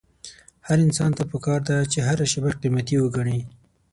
هر انسان ته پکار ده چې هره شېبه قيمتي وګڼي.